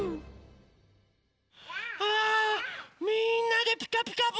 あみんなで「ピカピカブ！」